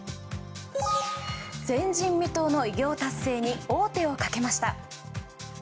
前人未到の偉業達成に王手をかけました。